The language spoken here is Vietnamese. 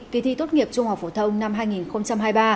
kỳ thi tốt nghiệp trung học phổ thông năm hai nghìn hai mươi ba